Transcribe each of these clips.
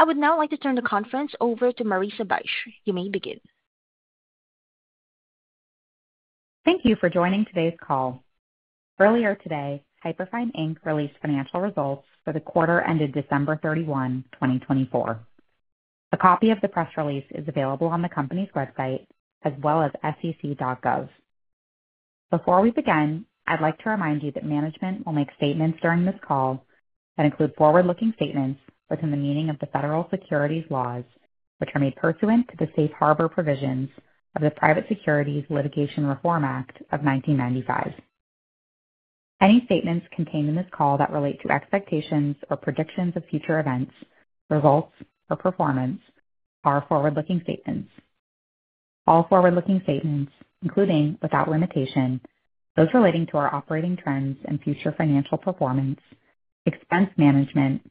I would now like to turn the conference over to Marissa Bych. You may begin. Thank you for joining today's call. Earlier today, Hyperfine released financial results for the quarter ended December 31, 2024. A copy of the press release is available on the company's website as well as sec.gov. Before we begin, I'd like to remind you that management will make statements during this call that include forward-looking statements within the meaning of the federal securities laws, which are made pursuant to the safe harbor provisions of the Private Securities Litigation Reform Act of 1995. Any statements contained in this call that relate to expectations or predictions of future events, results, or performance are forward-looking statements. All forward-looking statements, including without limitation, those relating to our operating trends and future financial performance, expense management,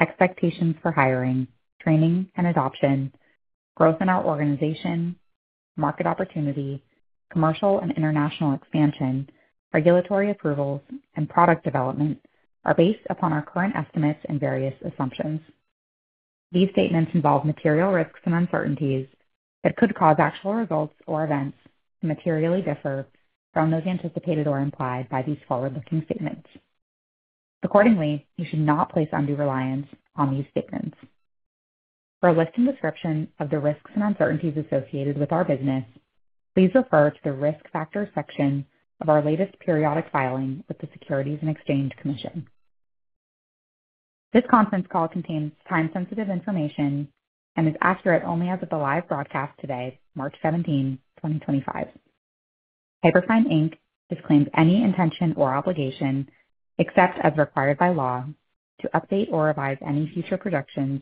expectations for hiring, training and adoption, growth in our organization, market opportunity, commercial and international expansion, regulatory approvals, and product development are based upon our current estimates and various assumptions. These statements involve material risks and uncertainties that could cause actual results or events to materially differ from those anticipated or implied by these forward-looking statements. Accordingly, you should not place undue reliance on these statements. For a list and description of the risks and uncertainties associated with our business, please refer to the risk factor section of our latest periodic filing with the Securities and Exchange Commission. This conference call contains time-sensitive information and is accurate only as of the live broadcast today, March 17, 2025. Hyperfine. disclaims any intention or obligation, except as required by law, to update or revise any future projections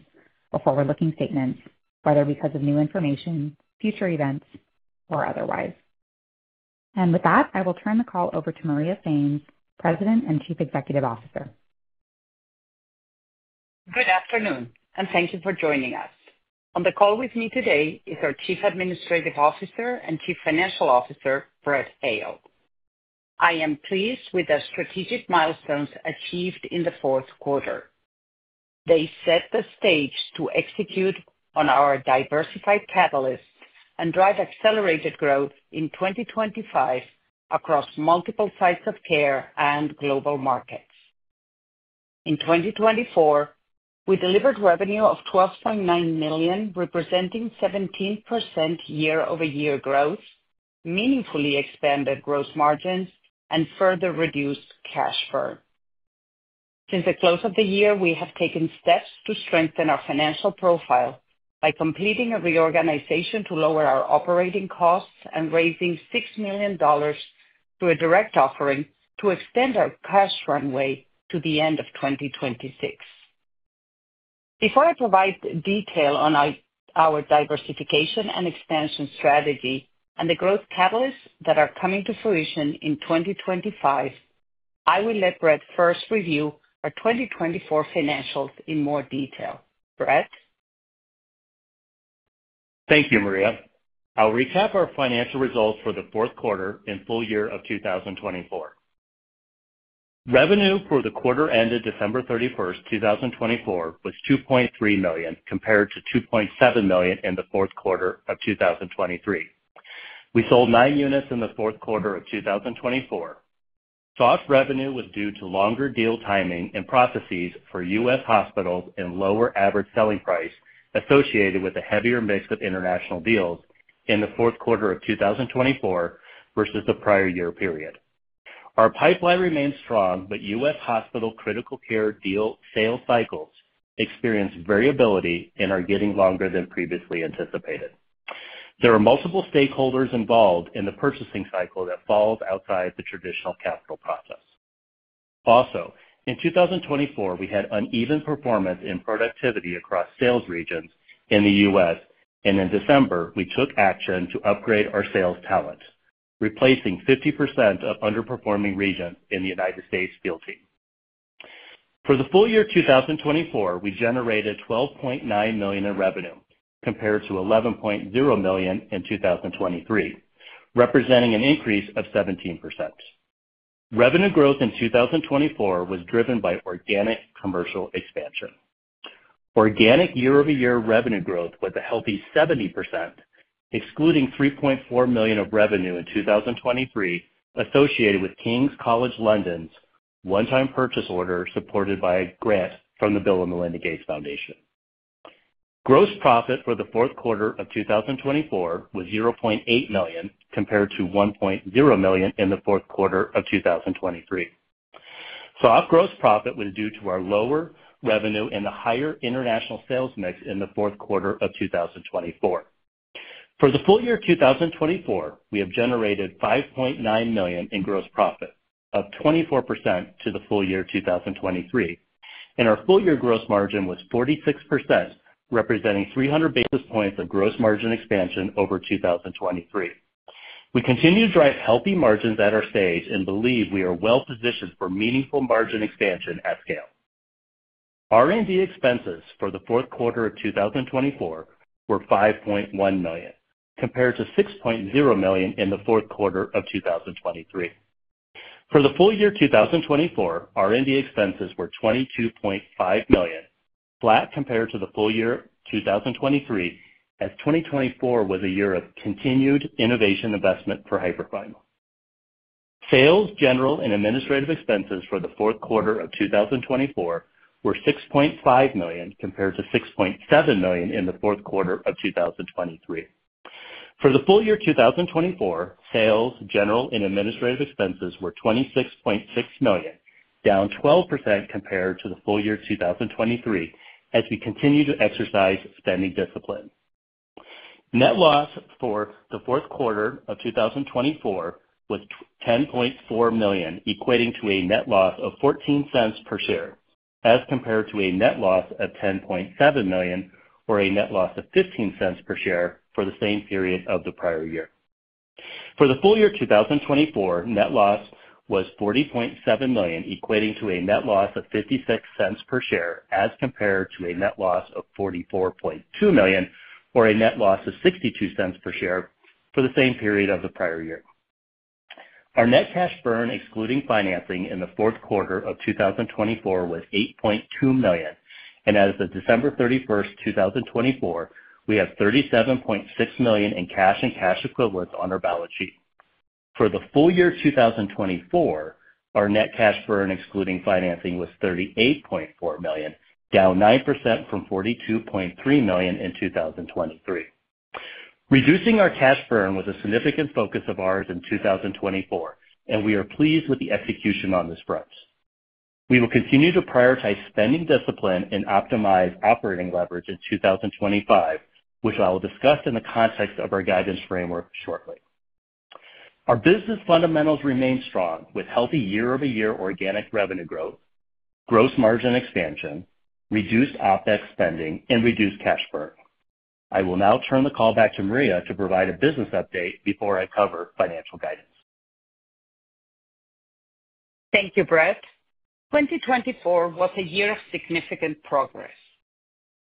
or forward-looking statements, whether because of new information, future events, or otherwise. With that, I will turn the call over to Maria Sainz, President and Chief Executive Officer. Good afternoon, and thank you for joining us. On the call with me today is our Chief Administrative Officer and Chief Financial Officer, Brett Hale. I am pleased with the strategic milestones achieved in the fourth quarter. They set the stage to execute on our diversified catalysts and drive accelerated growth in 2025 across multiple sites of care and global markets. In 2024, we delivered revenue of $12.9 million, representing 17% year-over-year growth, meaningfully expanded gross margins, and further reduced cash burn. Since the close of the year, we have taken steps to strengthen our financial profile by completing a reorganization to lower our operating costs and raising $6 million through a direct offering to extend our cash runway to the end of 2026. Before I provide detail on our diversification and expansion strategy and the growth catalysts that are coming to fruition in 2025, I will let Brett first review our 2024 financials in more detail. Brett? Thank you, Maria. I'll recap our financial results for the fourth quarter and full year of 2024. Revenue for the quarter ended December 31, 2024, was $2.3 million compared to $2.7 million in the fourth quarter of 2023. We sold nine units in the fourth quarter of 2024. Soft revenue was due to longer deal timing and processes for U.S. hospitals and lower average selling price associated with a heavier mix of international deals in the fourth quarter of 2024 versus the prior year period. Our pipeline remains strong, but U.S. hospital critical care deal sales cycles experience variability and are getting longer than previously anticipated. There are multiple stakeholders involved in the purchasing cycle that falls outside the traditional capital process. Also, in 2024, we had uneven performance in productivity across sales regions in the U.S., and in December, we took action to upgrade our sales talent, replacing 50% of underperforming regions in the U.S. field team. For the full year 2024, we generated $12.9 million in revenue compared to $11.0 million in 2023, representing an increase of 17%. Revenue growth in 2024 was driven by organic commercial expansion. Organic year-over-year revenue growth was a healthy 70%, excluding $3.4 million of revenue in 2023 associated with King's College London's one-time purchase order supported by a grant from the Bill & Melinda Gates Foundation. Gross profit for the fourth quarter of 2024 was $0.8 million compared to $1.0 million in the fourth quarter of 2023. Soft gross profit was due to our lower revenue and the higher international sales mix in the fourth quarter of 2024. For the full year 2024, we have generated $5.9 million in gross profit, up 24% to the full year 2023, and our full year gross margin was 46%, representing 300 basis points of gross margin expansion over 2023. We continue to drive healthy margins at our stage and believe we are well-positioned for meaningful margin expansion at scale. R&D expenses for the fourth quarter of 2024 were $5.1 million compared to $6.0 million in the fourth quarter of 2023. For the full year 2024, R&D expenses were $22.5 million, flat compared to the full year 2023, as 2024 was a year of continued innovation investment for Hyperfine. Sales, general, and administrative expenses for the fourth quarter of 2024 were $6.5 million compared to $6.7 million in the fourth quarter of 2023. For the full year 2024, sales, general, and administrative expenses were $26.6 million, down 12% compared to the full year 2023, as we continue to exercise spending discipline. Net loss for the fourth quarter of 2024 was $10.4 million, equating to a net loss of $0.14 per share, as compared to a net loss of $10.7 million or a net loss of $0.15 per share for the same period of the prior year. For the full year 2024, net loss was $40.7 million, equating to a net loss of $0.56 per share, as compared to a net loss of $44.2 million or a net loss of $0.62 per share for the same period of the prior year. Our net cash burn, excluding financing in the fourth quarter of 2024, was $8.2 million, and as of December 31, 2024, we have $37.6 million in cash and cash equivalents on our balance sheet. For the full year 2024, our net cash burn, excluding financing, was $38.4 million, down 9% from $42.3 million in 2023. Reducing our cash burn was a significant focus of ours in 2024, and we are pleased with the execution on this front. We will continue to prioritize spending discipline and optimize operating leverage in 2025, which I will discuss in the context of our guidance framework shortly. Our business fundamentals remain strong, with healthy year-over-year organic revenue growth, gross margin expansion, reduced OpEx spending, and reduced cash burn. I will now turn the call back to Maria to provide a business update before I cover financial guidance. Thank you, Brett. 2024 was a year of significant progress.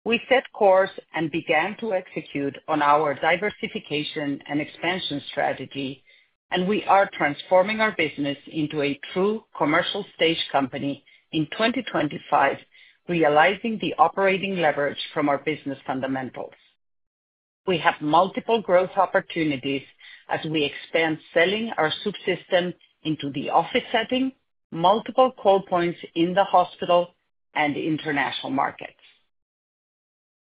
We set course and began to execute on our diversification and expansion strategy, and we are transforming our business into a true commercial stage company in 2025, realizing the operating leverage from our business fundamentals. We have multiple growth opportunities as we expand selling our Swoop system into the office setting, multiple call points in the hospital, and international markets.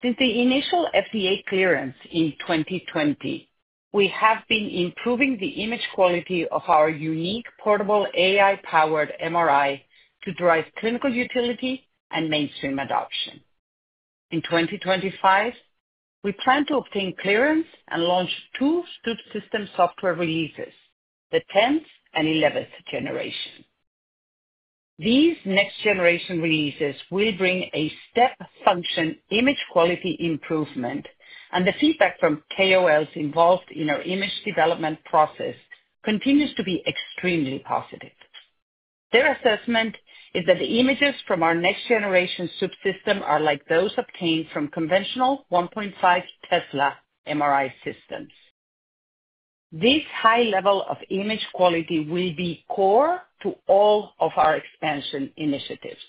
Since the initial FDA clearance in 2020, we have been improving the image quality of our unique portable AI-powered MRI to drive clinical utility and mainstream adoption. In 2025, we plan to obtain clearance and launch two Swoop system software releases, the 10th and 11th generation. These next-generation releases will bring a step-function image quality improvement, and the feedback from KOLs involved in our image development process continues to be extremely positive. Their assessment is that the images from our next-generation Swoop system are like those obtained from conventional 1.5 Tesla MRI systems. This high level of image quality will be core to all of our expansion initiatives.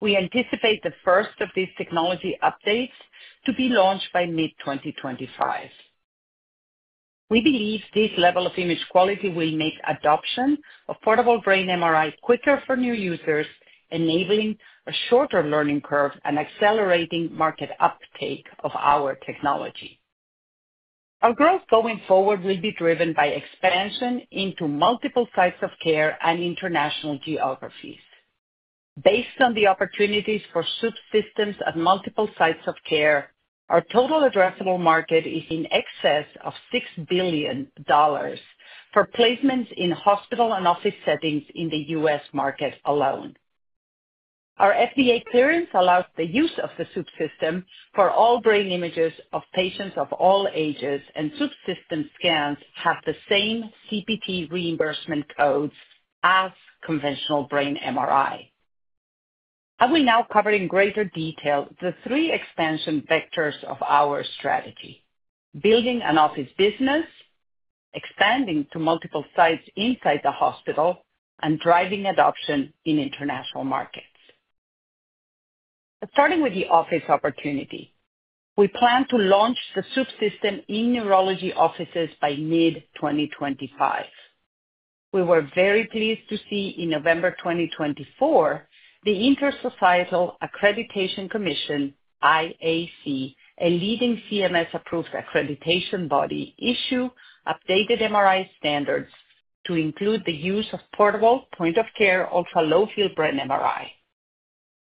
We anticipate the first of these technology updates to be launched by mid-2025. We believe this level of image quality will make adoption of portable brain MRI quicker for new users, enabling a shorter learning curve and accelerating market uptake of our technology. Our growth going forward will be driven by expansion into multiple sites of care and international geographies. Based on the opportunities for Swoop systems at multiple sites of care, our total addressable market is in excess of $6 billion for placements in hospital and office settings in the U.S. market alone. Our FDA clearance allows the use of the Swoop system for all brain images of patients of all ages, and Swoop system scans have the same CPT reimbursement codes as conventional brain MRI. I will now cover in greater detail the three expansion vectors of our strategy: building an office business, expanding to multiple sites inside the hospital, and driving adoption in international markets. Starting with the office opportunity, we plan to launch the Swoop system in neurology offices by mid-2025. We were very pleased to see in November 2024 the Intersocietal Accreditation Commission, IAC, a leading CMS-approved accreditation body, issue updated MRI standards to include the use of portable point-of-care ultra-low-field brain MRI.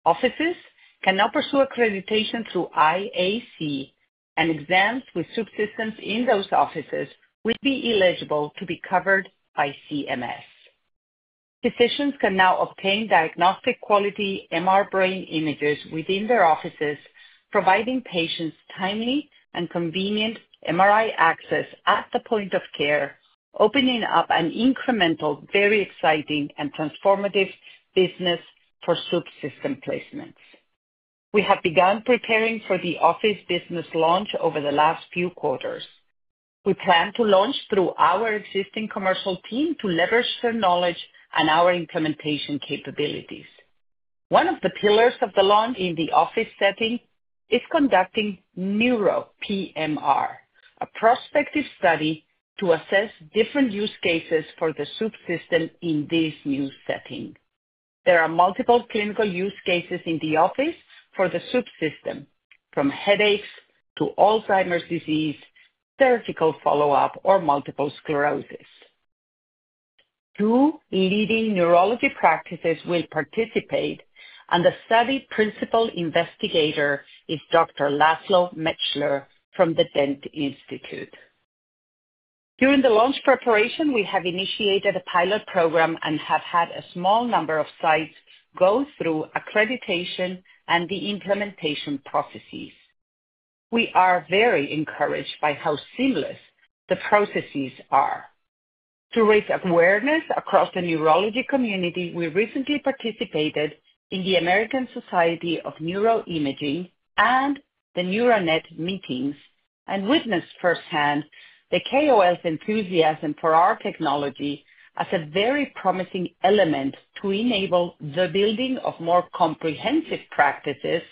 Offices can now pursue accreditation through IAC, and exams with Swoop systems in those offices will be eligible to be covered by CMS. Physicians can now obtain diagnostic quality MR brain images within their offices, providing patients timely and convenient MRI access at the point of care, opening up an incremental, very exciting, and transformative business for Swoop system placements. We have begun preparing for the office business launch over the last few quarters. We plan to launch through our existing commercial team to leverage their knowledge and our implementation capabilities. One of the pillars of the launch in the office setting is conducting NEURO-PMR, a prospective study to assess different use cases for the Swoop system in this new setting. There are multiple clinical use cases in the office for the Swoop system, from headaches to Alzheimer's disease, surgical follow-up, or multiple sclerosis. Two leading neurology practices will participate, and the study principal investigator is Dr. Laszlo Mechtler from the Dent Neurologic Institute. During the launch preparation, we have initiated a pilot program and have had a small number of sites go through accreditation and the implementation processes. We are very encouraged by how seamless the processes are. To raise awareness across the neurology community, we recently participated in the American Society of Neuroimaging and the NeuroNet meetings and witnessed firsthand the KOLs' enthusiasm for our technology as a very promising element to enable the building of more comprehensive practices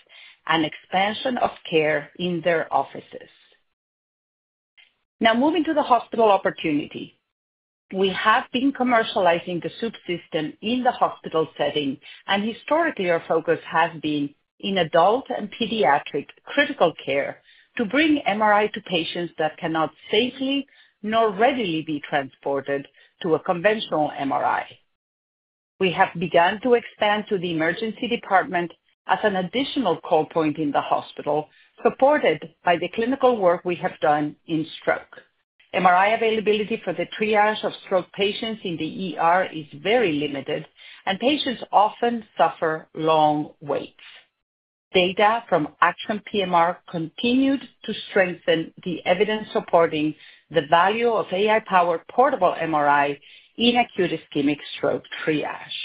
and expansion of care in their offices. Now, moving to the hospital opportunity. We have been commercializing the Swoop system in the hospital setting, and historically, our focus has been in adult and pediatric critical care to bring MRI to patients that cannot safely nor readily be transported to a conventional MRI. We have begun to expand to the emergency department as an additional call point in the hospital, supported by the clinical work we have done in stroke. MRI availability for the triage of stroke patients in the U.S. is very limited, and patients often suffer long waits. Data from ACTION PMR continued to strengthen the evidence supporting the value of AI-powered portable MRI in acute ischemic stroke triage.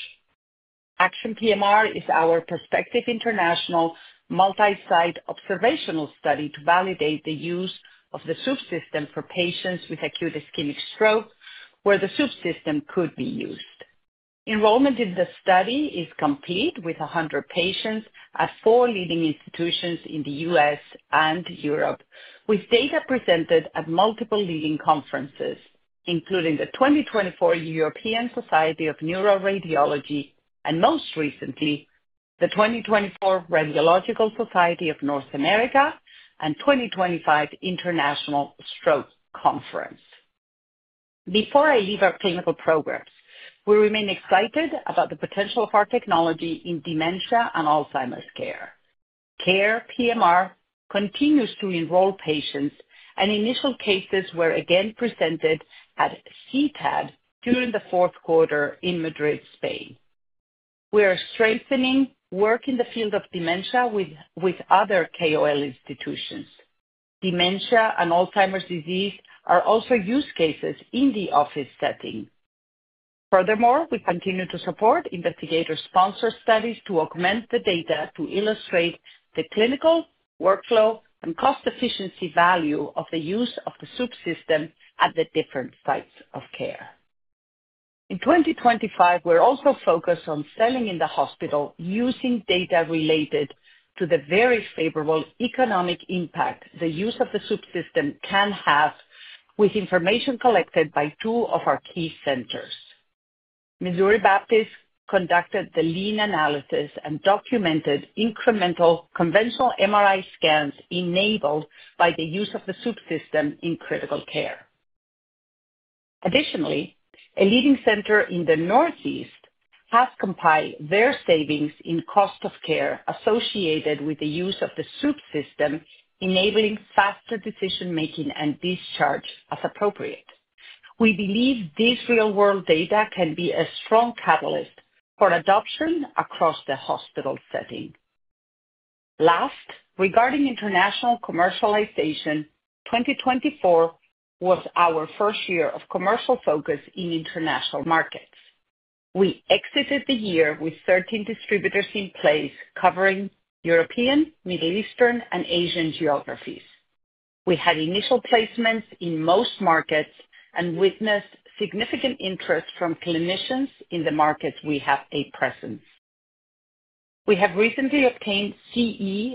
ACTION PMR is our prospective international multi-site observational study to validate the use of the Swoop system for patients with acute ischemic stroke where the Swoop system could be used. Enrollment in the study is complete with 100 patients at four leading institutions in the U.S. and Europe, with data presented at multiple leading conferences, including the 2024 European Society of Neuroradiology and most recently, the 2024 Radiological Society of North America and 2025 International Stroke Conference. Before I leave our clinical programs, we remain excited about the potential of our technology in dementia and Alzheimer's care. CARE PMR continues to enroll patients, and initial cases were again presented at CTAD during the fourth quarter in Madrid, Spain. We are strengthening work in the field of dementia with other KOL institutions. Dementia and Alzheimer's disease are also use cases in the office setting. Furthermore, we continue to support investigator-sponsored studies to augment the data to illustrate the clinical workflow and cost-efficiency value of the use of the Swoop system at the different sites of care. In 2025, we're also focused on selling in the hospital using data related to the very favorable economic impact the use of the Swoop system can have with information collected by two of our key centers. Missouri Baptist Medical Center conducted the Lean analysis and documented incremental conventional MRI scans enabled by the use of the Swoop system in critical care. Additionally, a leading center in the Northeast U.S. has compiled their savings in cost of care associated with the use of the Swoop system, enabling faster decision-making and discharge as appropriate. We believe this real-world data can be a strong catalyst for adoption across the hospital setting. Last, regarding international commercialization, 2024 was our first year of commercial focus in international markets. We exited the year with 13 distributors in place covering European, Middle Eastern, and Asian geographies. We had initial placements in most markets and witnessed significant interest from clinicians in the markets we have a presence. We have recently obtained CE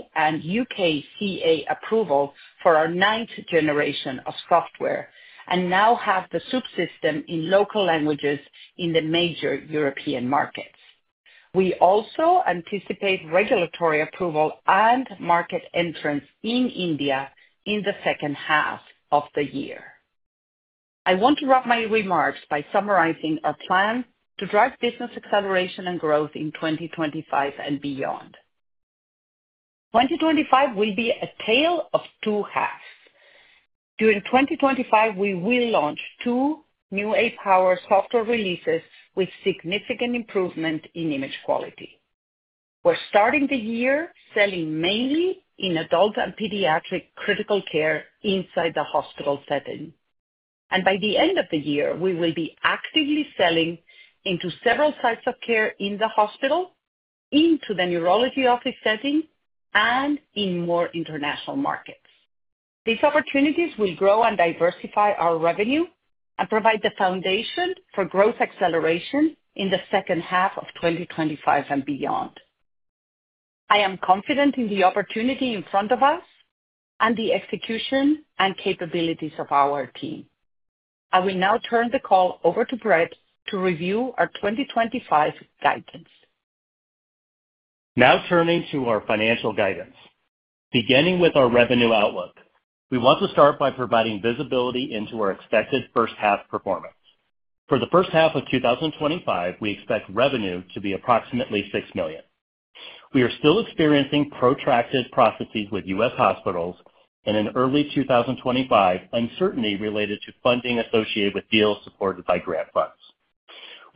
mark and UKCA mark approval for our ninth generation of software and now have the Swoop system in local languages in the major European markets. We also anticipate regulatory approval and market entrance in India in the second half of the year. I want to wrap my remarks by summarizing our plan to drive business acceleration and growth in 2025 and beyond. 2025 will be a tale of two halves. During 2025, we will launch two new AI-powered software releases with significant improvement in image quality. We're starting the year selling mainly in adult and pediatric critical care inside the hospital setting. By the end of the year, we will be actively selling into several sites of care in the hospital, into the neurology office setting, and in more international markets. These opportunities will grow and diversify our revenue and provide the foundation for growth acceleration in the second half of 2025 and beyond. I am confident in the opportunity in front of us and the execution and capabilities of our team. I will now turn the call over to Brett to review our 2025 guidance. Now turning to our financial guidance. Beginning with our revenue outlook, we want to start by providing visibility into our expected first-half performance. For the first half of 2025, we expect revenue to be approximately $6 million. We are still experiencing protracted processes with U.S. hospitals and an early 2025 uncertainty related to funding associated with deals supported by grant funds.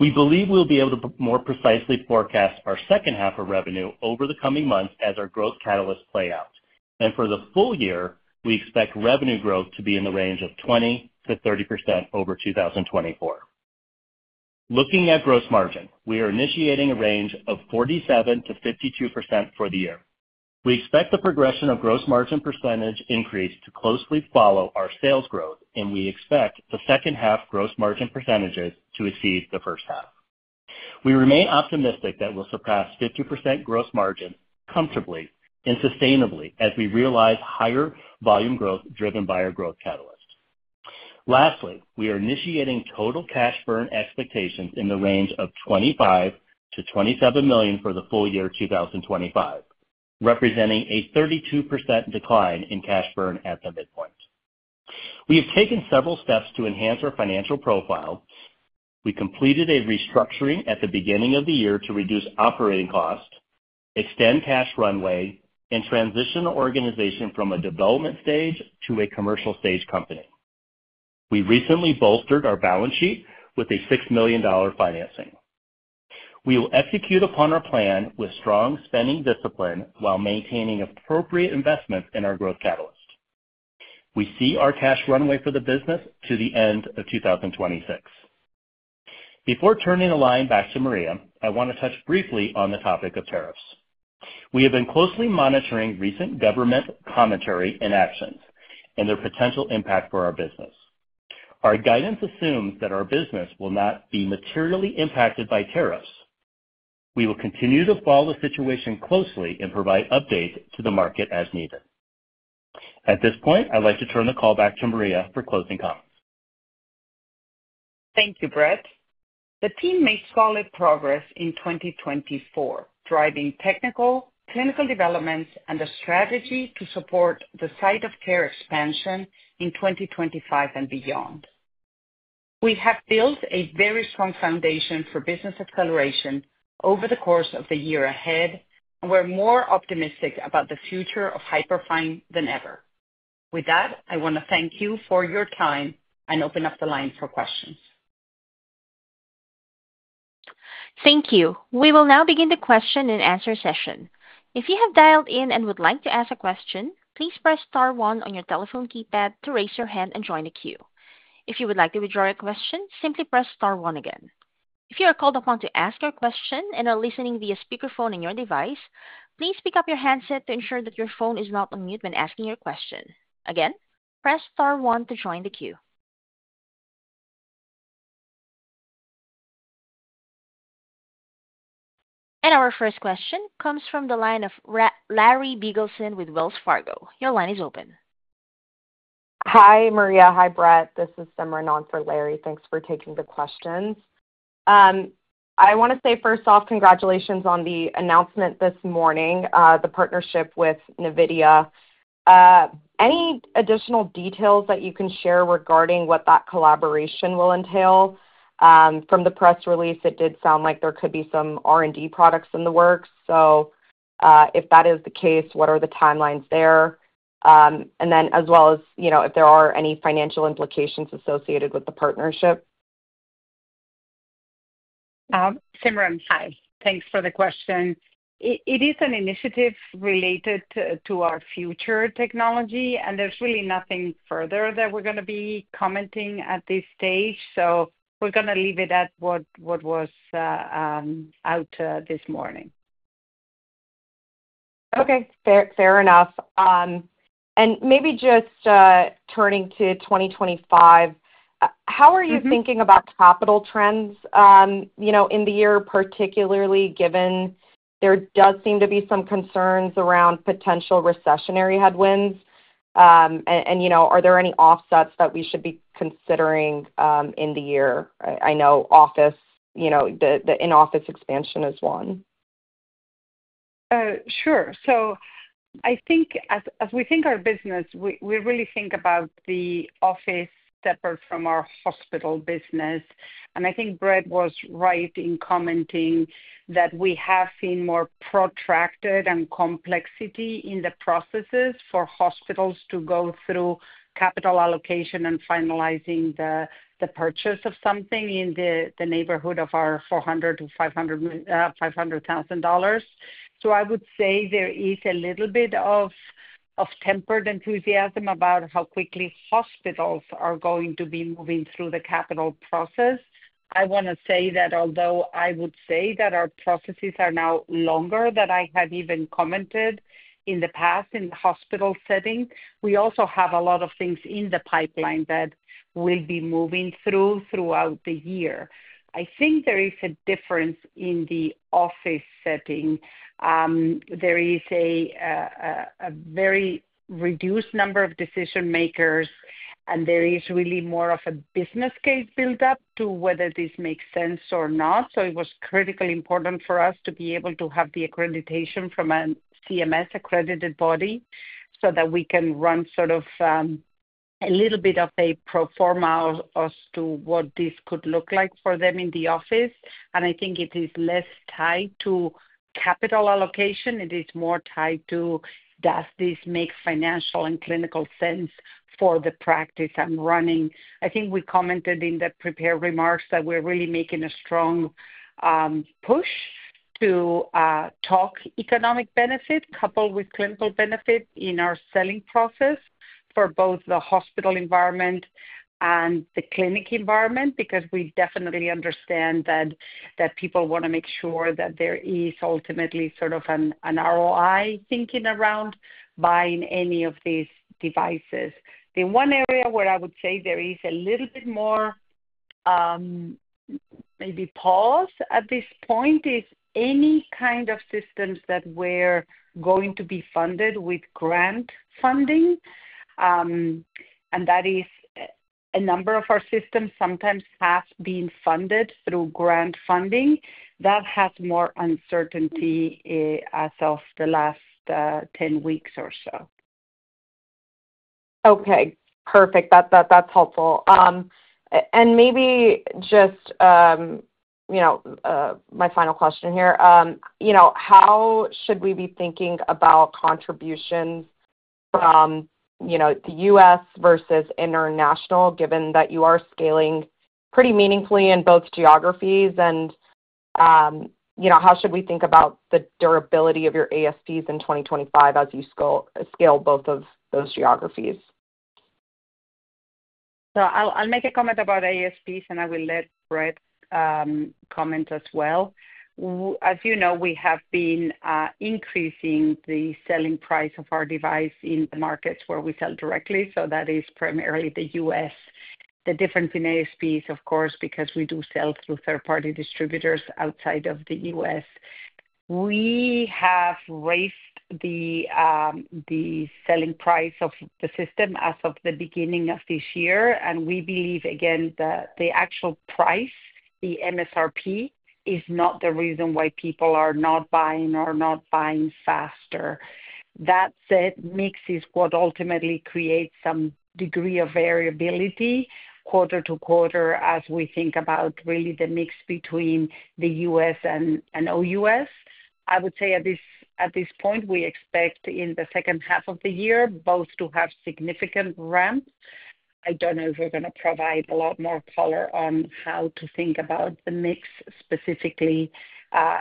We believe we'll be able to more precisely forecast our second half of revenue over the coming months as our growth catalysts play out. For the full year, we expect revenue growth to be in the range of 20%-30% over 2024. Looking at gross margin, we are initiating a range of 47%-52% for the year. We expect the progression of gross margin percentage increase to closely follow our sales growth, and we expect the second half gross margin percentages to exceed the first half. We remain optimistic that we'll surpass 50% gross margin comfortably and sustainably as we realize higher volume growth driven by our growth catalyst. Lastly, we are initiating total cash burn expectations in the range of $25 million-$27 million for the full year 2025, representing a 32% decline in cash burn at the midpoint. We have taken several steps to enhance our financial profile. We completed a restructuring at the beginning of the year to reduce operating costs, extend cash runway, and transition the organization from a development stage to a commercial stage company. We recently bolstered our balance sheet with a $6 million financing. We will execute upon our plan with strong spending discipline while maintaining appropriate investments in our growth catalyst. We see our cash runway for the business to the end of 2026. Before turning the line back to Maria, I want to touch briefly on the topic of tariffs. We have been closely monitoring recent government commentary and actions and their potential impact for our business. Our guidance assumes that our business will not be materially impacted by tariffs. We will continue to follow the situation closely and provide updates to the market as needed. At this point, I'd like to turn the call back to Maria for closing comments. Thank you, Brett. The team made solid progress in 2024, driving technical, clinical developments and a strategy to support the site of care expansion in 2025 and beyond. We have built a very strong foundation for business acceleration over the course of the year ahead, and we're more optimistic about the future of Hyperfine than ever. With that, I want to thank you for your time and open up the line for questions. Thank you. We will now begin the question-and-answer session. If you have dialed in and would like to ask a question, please press star one on your telephone keypad to raise your hand and join the queue. If you would like to withdraw your question, simply press star one again. If you are called upon to ask your question and are listening via speakerphone on your device, please pick up your handset to ensure that your phone is not on mute when asking your question. Again, press star one to join the queue. Our first question comes from the line of Larry Biegelsen with Wells Fargo. Your line is open. Hi, Maria. Hi, Brett. This is Simran for Larry. Thanks for taking the questions. I want to say, first off, congratulations on the announcement this morning, the partnership with NVIDIA. Any additional details that you can share regarding what that collaboration will entail? From the press release, it did sound like there could be some R&D products in the works. If that is the case, what are the timelines there? As well as if there are any financial implications associated with the partnership? Simran, hi. Thanks for the question. It is an initiative related to our future technology, and there is really nothing further that we are going to be commenting at this stage. We are going to leave it at what was out this morning. Okay. Fair enough. Maybe just turning to 2025, how are you thinking about capital trends in the year, particularly given there does seem to be some concerns around potential recessionary headwinds? Are there any offsets that we should be considering in the year? I know the in-office expansion is one. Sure. I think as we think our business, we really think about the office separate from our hospital business. I think Brett was right in commenting that we have seen more protracted and complexity in the processes for hospitals to go through capital allocation and finalizing the purchase of something in the neighborhood of our $400,000-$500,000. I would say there is a little bit of tempered enthusiasm about how quickly hospitals are going to be moving through the capital process. I want to say that although I would say that our processes are now longer than I had even commented in the past in the hospital setting, we also have a lot of things in the pipeline that we'll be moving through throughout the year. I think there is a difference in the office setting. There is a very reduced number of decision-makers, and there is really more of a business case build-up to whether this makes sense or not. It was critically important for us to be able to have the accreditation from a CMS-accredited body so that we can run sort of a little bit of a pro forma as to what this could look like for them in the office. I think it is less tied to capital allocation. It is more tied to, does this make financial and clinical sense for the practice I'm running? I think we commented in the prepared remarks that we're really making a strong push to talk economic benefit coupled with clinical benefit in our selling process for both the hospital environment and the clinic environment because we definitely understand that people want to make sure that there is ultimately sort of an ROI thinking around buying any of these devices. The one area where I would say there is a little bit more maybe pause at this point is any kind of systems that are going to be funded with grant funding. And that is a number of our systems sometimes have been funded through grant funding. That has more uncertainty as of the last 10 weeks or so. Okay. Perfect. That's helpful. Maybe just my final question here. How should we be thinking about contributions from the U.S. versus international, given that you are scaling pretty meaningfully in both geographies? How should we think about the durability of your ASPs in 2025 as you scale both of those geographies? I'll make a comment about ASPs, and I will let Brett comment as well. As you know, we have been increasing the selling price of our device in the markets where we sell directly. That is primarily the U.S. The difference in ASPs, of course, is because we do sell through third-party distributors outside of the U.S. We have raised the selling price of the system as of the beginning of this year. We believe, again, that the actual price, the MSRP, is not the reason why people are not buying or not buying faster. That mix is what ultimately creates some degree of variability quarter to quarter as we think about really the mix between the U.S. and O.U.S. I would say at this point, we expect in the second half of the year both to have significant ramps. I don't know if we're going to provide a lot more color on how to think about the mix specifically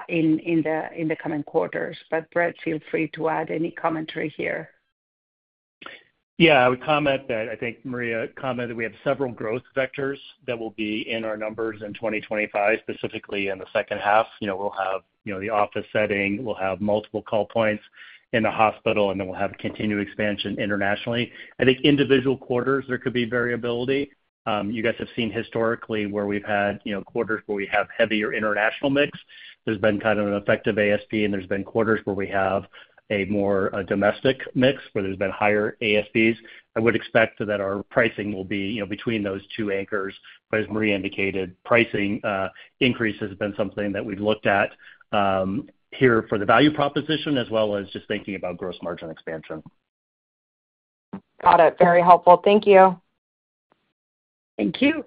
in the coming quarters. Brett, feel free to add any commentary here. Yeah. I would comment that I think Maria commented we have several growth vectors that will be in our numbers in 2025, specifically in the second half. We'll have the office setting. We'll have multiple call points in the hospital, and then we'll have continued expansion internationally. I think individual quarters, there could be variability. You guys have seen historically where we've had quarters where we have heavier international mix. There's been kind of an effective ASP, and there's been quarters where we have a more domestic mix where there's been higher ASPs. I would expect that our pricing will be between those two anchors. As Maria indicated, pricing increase has been something that we've looked at here for the value proposition as well as just thinking about gross margin expansion. Got it. Very helpful. Thank you. Thank you.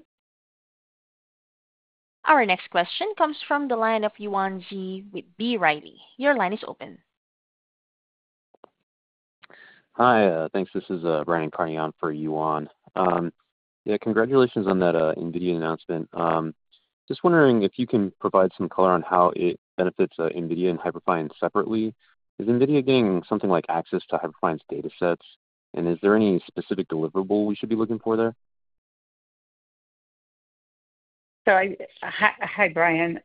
Our next question comes from the line of Yuan Zhi with B. Riley. Your line is open. Hi. Thanks. This is Brian Kahn on for Yuan. Yeah. Congratulations on that NVIDIA announcement. Just wondering if you can provide some color on how it benefits NVIDIA and Hyperfine separately. Is NVIDIA getting something like access to Hyperfine's datasets? Is there any specific deliverable we should be looking for there? Hi, Brian.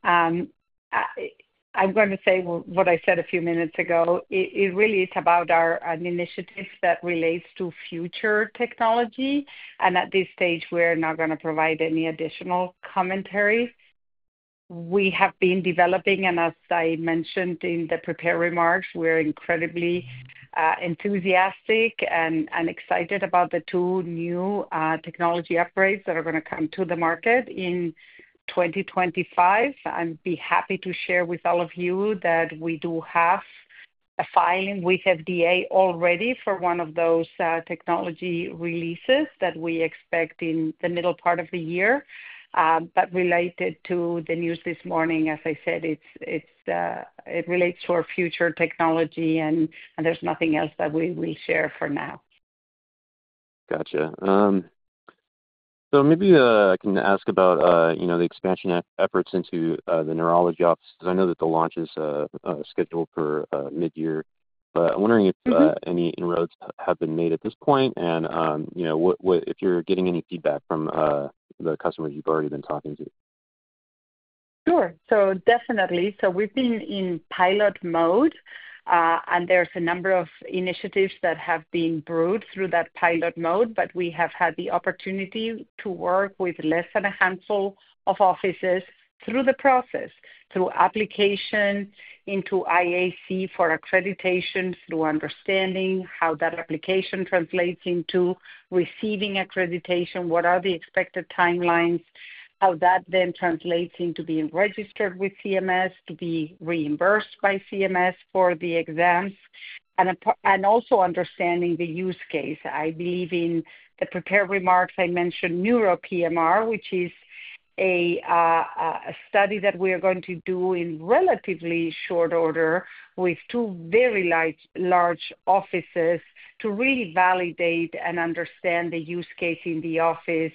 I'm going to say what I said a few minutes ago. It really is about an initiative that relates to future technology. At this stage, we're not going to provide any additional commentary. We have been developing, and as I mentioned in the prepared remarks, we're incredibly enthusiastic and excited about the two new technology upgrades that are going to come to the market in 2025. I'd be happy to share with all of you that we do have a filing with FDA already for one of those technology releases that we expect in the middle part of the year. Related to the news this morning, as I said, it relates to our future technology, and there's nothing else that we will share for now. Gotcha. Maybe I can ask about the expansion efforts into the neurology office because I know that the launch is scheduled for mid-year. I'm wondering if any inroads have been made at this point and if you're getting any feedback from the customers you've already been talking to. Sure. Definitely. We have been in pilot mode, and there are a number of initiatives that have been brought through that pilot mode. We have had the opportunity to work with less than a handful of offices through the process, through application into IAC for accreditation, through understanding how that application translates into receiving accreditation, what are the expected timelines, how that then translates into being registered with CMS, to be reimbursed by CMS for the exams, and also understanding the use case. I believe in the prepared remarks, I mentioned NEURO-PMR, which is a study that we are going to do in relatively short order with two very large offices to really validate and understand the use case in the office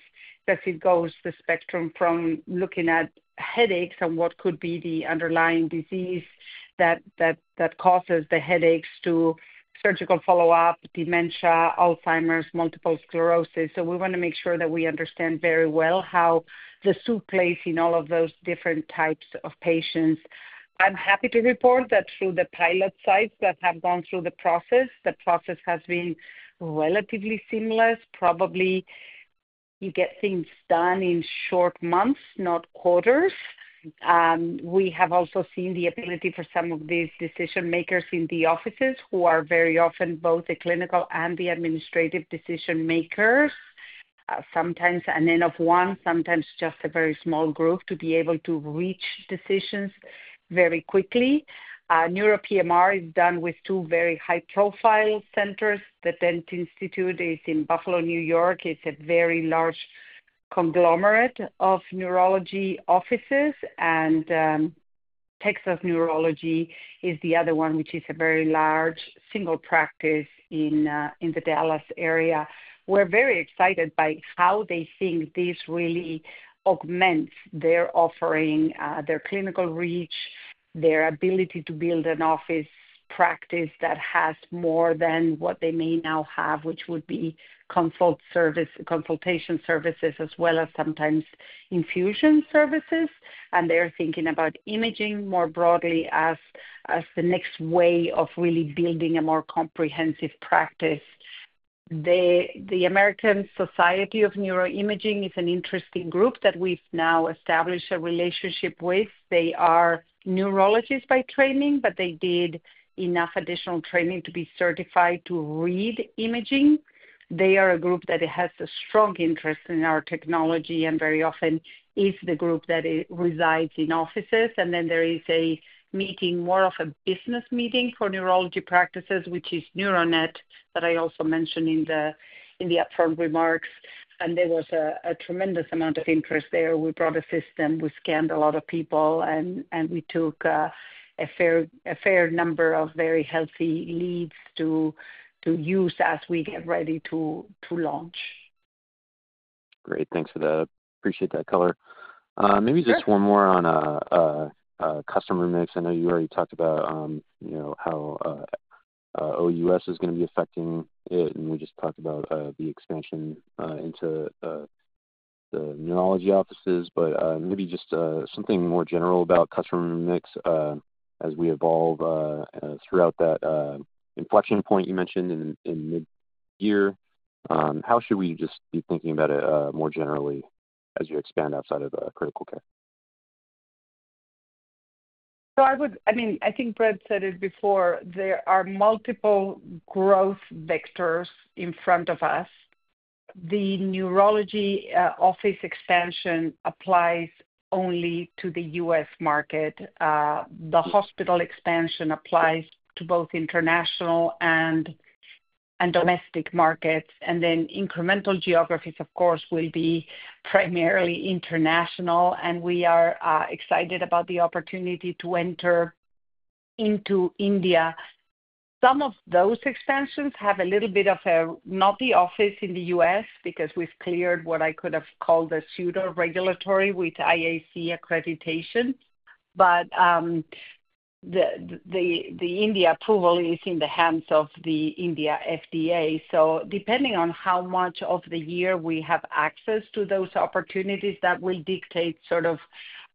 because it goes the spectrum from looking at headaches and what could be the underlying disease that causes the headaches to surgical follow-up, dementia, Alzheimer's, multiple sclerosis. We want to make sure that we understand very well how the Swoop system plays in all of those different types of patients. I'm happy to report that through the pilot sites that have gone through the process, the process has been relatively seamless. Probably you get things done in short months, not quarters. We have also seen the ability for some of these decision-makers in the offices who are very often both the clinical and the administrative decision-makers, sometimes an N of 1, sometimes just a very small group, to be able to reach decisions very quickly. NEURO-PMR is done with two very high-profile centers. The Dent Neurologic Institute is in Buffalo, New York. It's a very large conglomerate of neurology offices. Texas Neurology is the other one, which is a very large single practice in the Dallas area. We're very excited by how they think this really augments their offering, their clinical reach, their ability to build an office practice that has more than what they may now have, which would be consultation services as well as sometimes infusion services. They're thinking about imaging more broadly as the next way of really building a more comprehensive practice. The American Society of Neuroimaging is an interesting group that we've now established a relationship with. They are neurologists by training, but they did enough additional training to be certified to read imaging. They are a group that has a strong interest in our technology and very often is the group that resides in offices. There is a meeting, more of a business meeting for neurology practices, which is NeuroNet that I also mentioned in the upfront remarks. There was a tremendous amount of interest there. We brought a system. We scanned a lot of people, and we took a fair number of very healthy leads to use as we get ready to launch. Great. Thanks for that. Appreciate that color. Maybe just one more on customer mix. I know you already talked about how O.U.S. is going to be affecting it, and we just talked about the expansion into the neurology offices. Maybe just something more general about customer mix as we evolve throughout that inflection point you mentioned in mid-year. How should we just be thinking about it more generally as you expand outside of critical care? I mean, I think Brett said it before. There are multiple growth vectors in front of us. The neurology office expansion applies only to the U.S. market. The hospital expansion applies to both international and domestic markets. Then incremental geographies, of course, will be primarily international. We are excited about the opportunity to enter into India. Some of those expansions have a little bit of a not the office in the U.S. because we have cleared what I could have called a pseudo-regulatory with IAC accreditation. The India approval is in the hands of the India FDA. Depending on how much of the year we have access to those opportunities, that will dictate sort of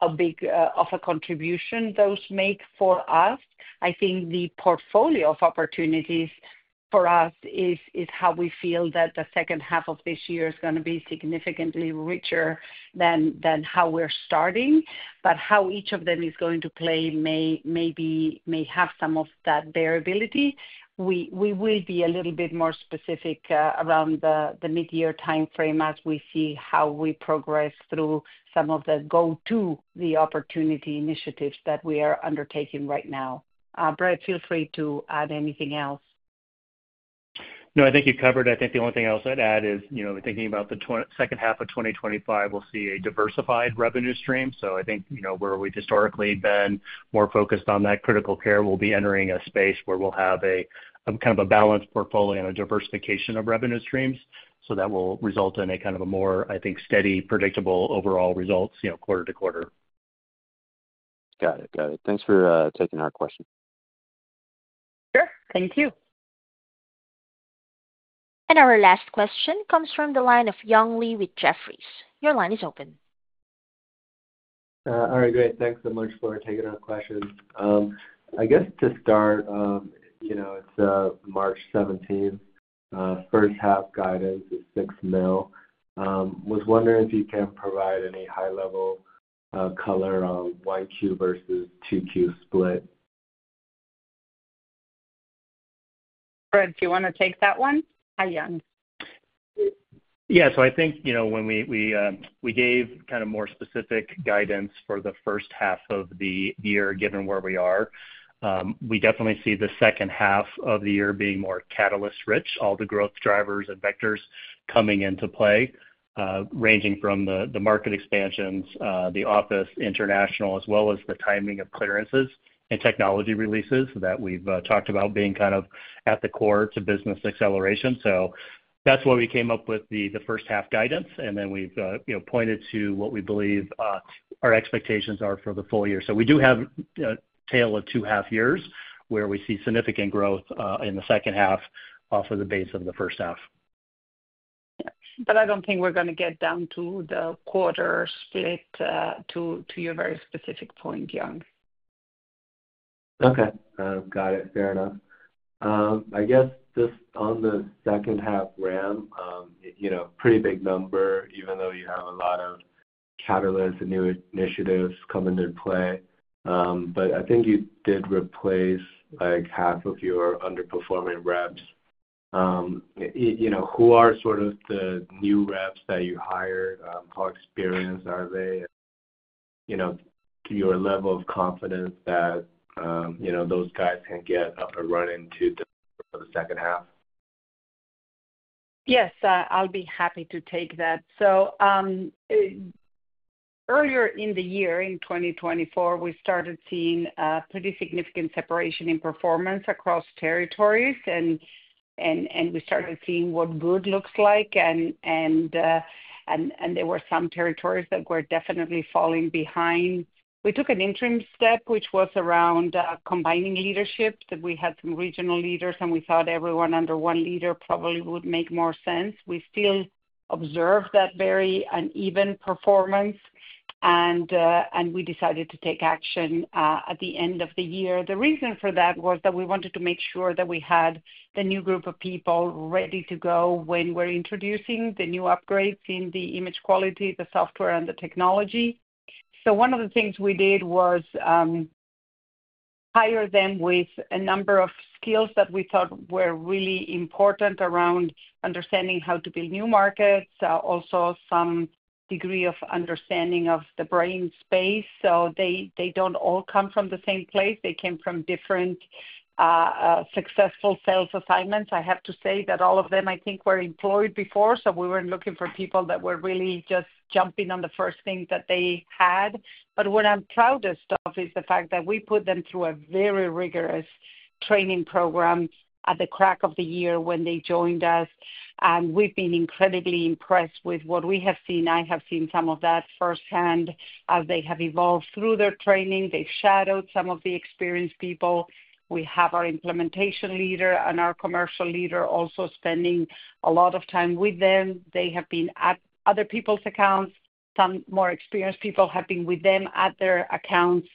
a big of a contribution those make for us. I think the portfolio of opportunities for us is how we feel that the second half of this year is going to be significantly richer than how we're starting. How each of them is going to play may have some of that variability. We will be a little bit more specific around the mid-year timeframe as we see how we progress through some of the go-to opportunity initiatives that we are undertaking right now. Brett, feel free to add anything else. No, I think you covered it. I think the only thing else I'd add is thinking about the second half of 2025, we'll see a diversified revenue stream. I think where we've historically been more focused on that critical care, we'll be entering a space where we'll have kind of a balanced portfolio and a diversification of revenue streams. That will result in a kind of a more, I think, steady, predictable overall results quarter to quarter. Got it. Got it. Thanks for taking our question. Sure. Thank you. Our last question comes from the line of Young Li with Jefferies. Your line is open. All right. Great. Thanks so much for taking our questions. I guess to start, it's March 17th. First half guidance is $6 million. I was wondering if you can provide any high-level color on 1Q versus 2Q split. Brett, do you want to take that one? Hi, Young. Yeah. I think when we gave kind of more specific guidance for the first half of the year, given where we are, we definitely see the second half of the year being more catalyst-rich, all the growth drivers and vectors coming into play, ranging from the market expansions, the office international, as well as the timing of clearances and technology releases that we've talked about being kind of at the core to business acceleration. That's why we came up with the first half guidance. We have pointed to what we believe our expectations are for the full year. We do have a tale of two half years where we see significant growth in the second half off of the base of the first half. I don't think we're going to get down to the quarter split to your very specific point, Yong. Okay. Got it. Fair enough. I guess just on the second half ramp, pretty big number, even though you have a lot of catalysts and new initiatives coming into play. I think you did replace half of your underperforming reps. Who are sort of the new reps that you hired? How experienced are they? To your level of confidence that those guys can get up and running to the second half? Yes. I'll be happy to take that. Earlier in the year, in 2024, we started seeing a pretty significant separation in performance across territories. We started seeing what good looks like. There were some territories that were definitely falling behind. We took an interim step, which was around combining leadership. We had some regional leaders, and we thought everyone under one leader probably would make more sense. We still observed that very uneven performance, and we decided to take action at the end of the year. The reason for that was that we wanted to make sure that we had the new group of people ready to go when we're introducing the new upgrades in the image quality, the software, and the technology. One of the things we did was hire them with a number of skills that we thought were really important around understanding how to build new markets, also some degree of understanding of the brain space. They do not all come from the same place. They came from different successful sales assignments. I have to say that all of them, I think, were employed before. We were not looking for people that were really just jumping on the first thing that they had. What I am proudest of is the fact that we put them through a very rigorous training program at the crack of the year when they joined us. We have been incredibly impressed with what we have seen. I have seen some of that firsthand as they have evolved through their training. They have shadowed some of the experienced people. We have our implementation leader and our commercial leader also spending a lot of time with them. They have been at other people's accounts. Some more experienced people have been with them at their accounts.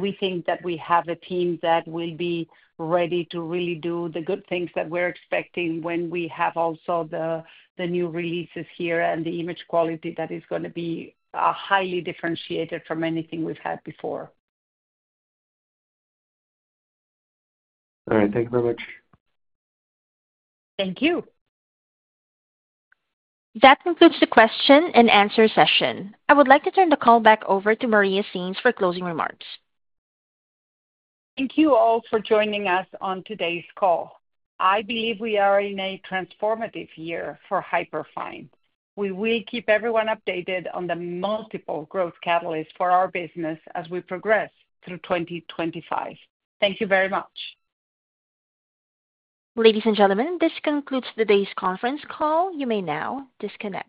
We think that we have a team that will be ready to really do the good things that we're expecting when we have also the new releases here and the image quality that is going to be highly differentiated from anything we've had before. All right. Thank you very much. Thank you. That concludes the question-and-answer session. I would like to turn the call back over to Maria Sainz for closing remarks. Thank you all for joining us on today's call. I believe we are in a transformative year for Hyperfine. We will keep everyone updated on the multiple growth catalysts for our business as we progress through 2025. Thank you very much. Ladies and gentlemen, this concludes today's conference call. You may now disconnect.